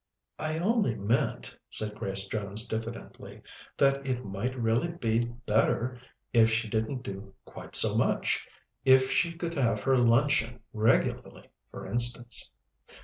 "I only meant," said Grace Jones diffidently, "that it might really be better if she didn't do quite so much. If she could have her luncheon regularly, for instance."